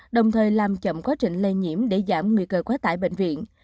đồng thời làm chậm quá trình lây nhiễm để giảm nguy cơ quá tải bệnh viện